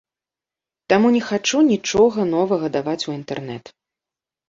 Таму не хачу нічога новага даваць у інтэрнэт.